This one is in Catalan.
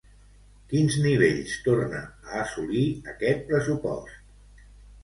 Quins nivells torna a assolir aquest pressupost?